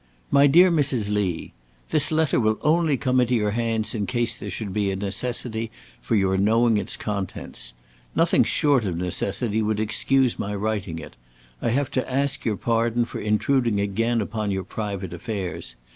"My dear Mrs. Lee, "This letter will only come into your hands in case there should be a necessity for your knowing its contents. Nothing short of necessity would excuse my writing it. I have to ask your pardon for intruding again upon your private affairs.